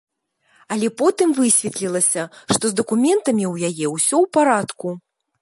Але потым высветлілася, што з дакументамі ў яе ўсё ў парадку.